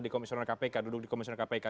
di komisioner kpk duduk di komisioner kpk